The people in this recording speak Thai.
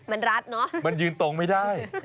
มันรัดเนอะมันยืนตรงไม่ได้